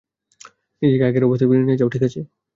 নিজেকে আগের অবস্থায় ফিরিয়ে নিয়ে যাও, ঠিক আছে?